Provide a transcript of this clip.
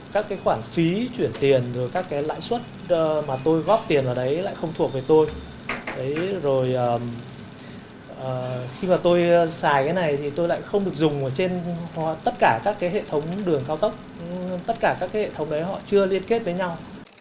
chưa liên kết với nhau